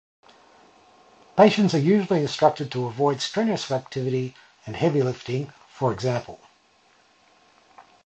Patients are usually instructed to avoid strenuous activity and heavy lifting, for example.